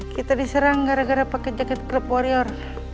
kita diserang gara gara pake jaket klub warrior